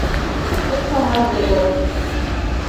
Шыч аҥырге дыр?